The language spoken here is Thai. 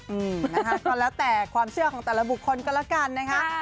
อืมนะคะก็แล้วแต่ความเชื่อของแต่ละบุคคลก็แล้วกันนะคะ